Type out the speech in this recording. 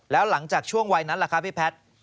แล้วหลังจากช่วงวัยนั้นล่ะครับพี่แพทย์